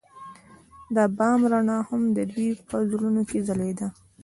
د بام رڼا هم د دوی په زړونو کې ځلېده.